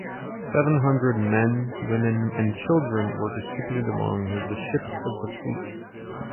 Seven hundred men, women, and children were distributed among the ships of the fleet.